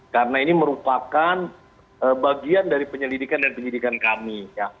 karena ini merupakan bagian dari penyelidikan dan penyidikan kami